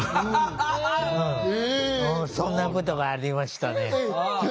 そんなことがありましたね。